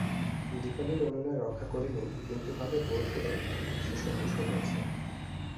দীপালির অনুনয় রক্ষা করি নি কিন্তু ভাবে বোধ হল, সে সন্তুষ্ট হয়েছে।